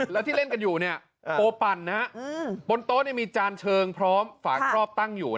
แล้วที่เล่นกันอยู่เนี่ยโปปั่นบนโต๊ะมีจานเชิงพร้อมฝางครอบตั้งอยู่